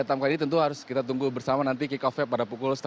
dan bagaimana hasil pertandingan melawan t minus rover dengan skor empat puluh satu